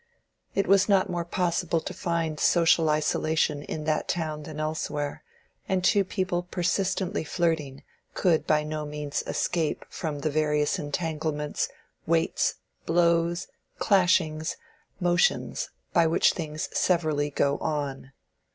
It was not more possible to find social isolation in that town than elsewhere, and two people persistently flirting could by no means escape from "the various entanglements, weights, blows, clashings, motions, by which things severally go on."